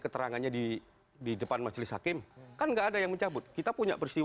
kami akan segera kembali